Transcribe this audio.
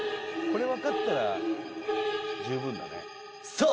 これわかったら十分だね。